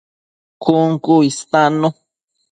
Cun cu istannu